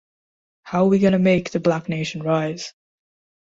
How We Gonna Make the Black Nation Rise?